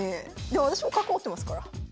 でも私も角持ってますから。